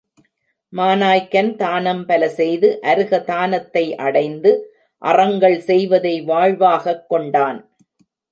மாநாய்கன் தானம் பல செய்து அருக தானத்தை அடைந்து அறங்கள் செய்வதை வாழ்வாகக் கொண்டான்.